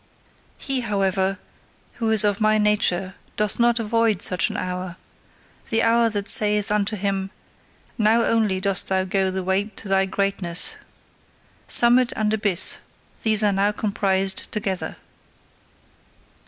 He, however, who is of my nature doth not avoid such an hour: the hour that saith unto him: Now only dost thou go the way to thy greatness! Summit and abyss these are now comprised together!